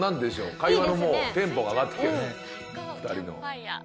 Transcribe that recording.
会話のテンポが上がってきてる２人の。